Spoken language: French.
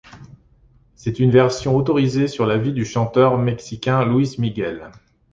C'est une version autorisée sur la vie du chanteur mexicain Luis Miguel.